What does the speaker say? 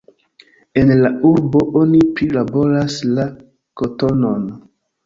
En la urbo oni prilaboras la kotonon.